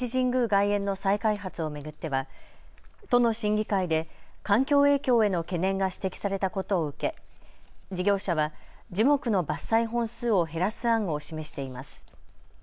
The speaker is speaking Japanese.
外苑の再開発を巡っては都の審議会で環境影響への懸念が指摘されたことを受け、事業者は樹木の伐採本数を減らす案を示しています。